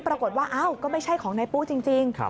ปรากฏว่าอ้าวก็ไม่ใช่ของนายปู้จริง